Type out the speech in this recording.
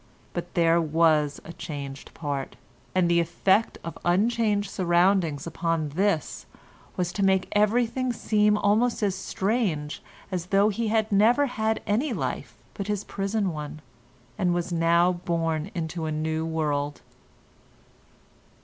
But there was a changed part, and the effect of unchanged surroundings upon this was to make everything seem almost as strange as though he had never had any life but his prison one, and was now born into a new world.